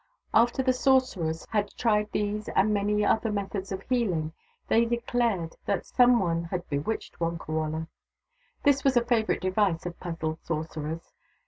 After the sorcerers had tried these and many other methods of heaUng, they declared that some one had bewitched Wonkawala. This was a favourite device of puzzled sorcerers.